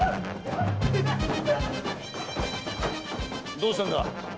どうしたんだ？